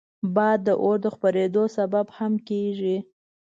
باد د اور د خپرېدو سبب هم کېږي